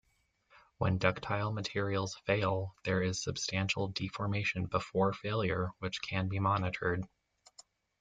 When ductile materials fail, there is substantial deformation before failure, which can be monitored.